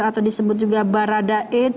atau disebut juga barada e